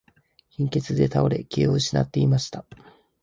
貧血で倒れ、気を失っていました。